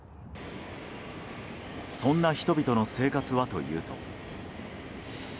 そんな人々の生活はというと。